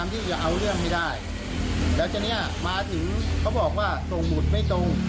เขาบอกว่าจะทรงหมุธไม่ตรง